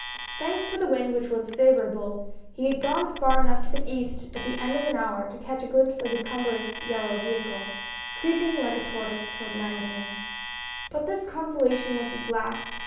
Thanks to the wind which was favorable, he had gone far enough to the east at the end of an hour to catch a glimpse of the cumbrous yellow veliicle, creeping like a tortoise toward Landemer. But this consolation was his last.